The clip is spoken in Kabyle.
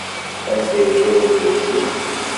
Anda yella udlis-iw?